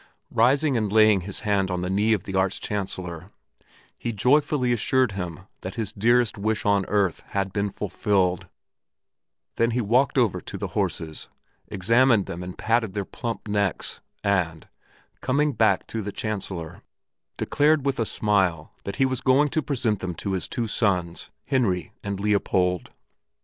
Rising and laying his hand on the knee of the Arch Chancellor, he joyfully assured him that his dearest wish on earth had been fulfilled; then he walked over to the horses, examined them and patted their plump necks, and, coming back to the Chancellor, declared with a smile that he was going to present them to his two sons, Henry and Leopold!